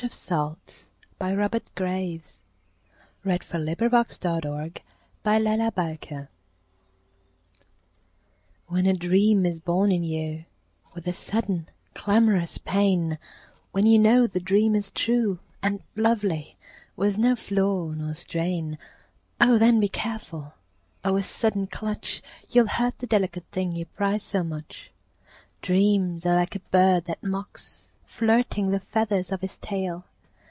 G H . I J . K L . M N . O P . Q R . S T . U V . W X . Y Z A Pinch of Salt WHEN a dream is born in you With a sudden clamorous pain, When you know the dream is true And lovely, with no flaw nor strain, O then, be careful, or with sudden clutch You'll hurt the delicate thing you prize so much. Dreams are like a bird that mocks, Flirting the feathers of his tail.